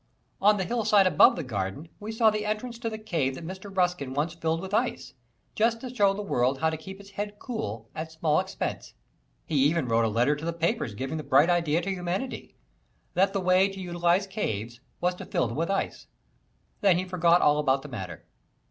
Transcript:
On the hillside above the garden we saw the entrance to the cave that Mr. Ruskin once filled with ice, just to show the world how to keep its head cool at small expense. He even wrote a letter to the papers giving the bright idea to humanity that the way to utilize caves was to fill them with ice. Then he forgot all about the matter.